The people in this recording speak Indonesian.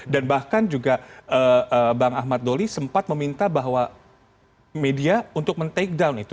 dan bahkan juga bang ahmad dolly sempat meminta bahwa media untuk men take down itu